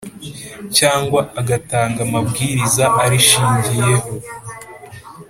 Cyangwa agatanga amabwiriza arishingiyeho